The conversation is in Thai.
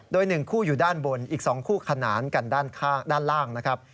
โดย๑คู่อยู่ด้านบนอีก๒คู่ขนานกันด้านข้างด้านล่างนะครับ